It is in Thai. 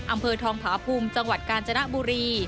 อำเภอทองผาภูมิจังหวัดกาญจนบุรี